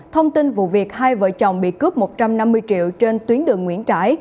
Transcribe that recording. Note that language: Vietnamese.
thông tin vụ việc hai vợ chồng bị cướp một trăm năm mươi triệu trên tuyến đường nguyễn trãi